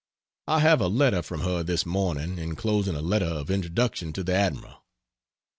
I have a letter from her this morning enclosing a letter of introduction to the Admiral.